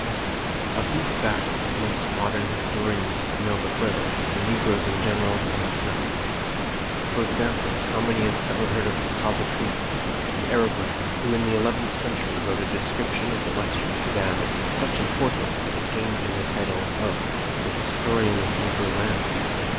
Of these facts most modern historians know but little and Negroes in general almost nothing. For example, how many have ever heard of Al Bekri, the Arab writer, who in the eleventh century wrote a description of the Western Sudan of such importance that it gained him the title of "The Historian of Negro Land"?